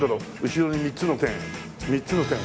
後ろに３つの点。